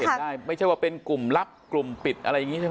ก็เห็นได้ไม่ใช่ว่าเป็นกลุ่มลับกลุ่มปิดอะไรอย่างงี้